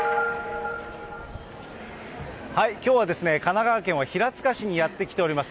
きょうは神奈川県は平塚市にやって来ております。